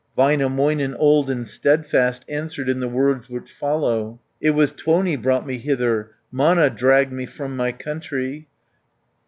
180 Väinämöinen, old and steadfast, Answered in the words which follow: "It was Tuoni brought me hither, Mana dragged me from my country."